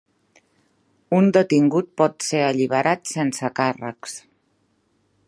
Un detingut pot ser alliberat sense càrrecs.